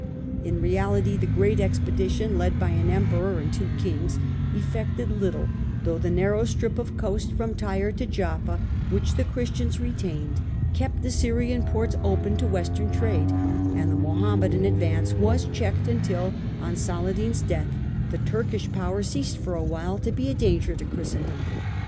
In reality, the great expedition, led by an Emperor and two kings, effected little, though the narrow strip of coast, from Tyre to Jaffa, which the Christians retained, kept the Syrian ports open to western trade, and the Mohammedan advance was checked until, on Saladin's death, the Turkish power ceased for a while to be a danger to Christendom.